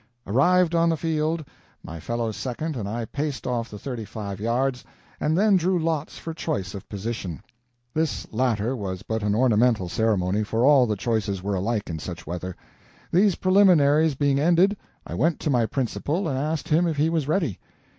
Arrived on the field, my fellow second and I paced off the thirty five yards, and then drew lots for choice of position. This latter was but an ornamental ceremony, for all the choices were alike in such weather. These preliminaries being ended, I went to my principal and asked him if he was ready.